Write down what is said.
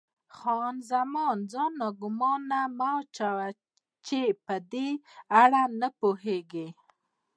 خان زمان: ځان ناګومانه مه اچوه، چې په دې اړه نه پوهېږې.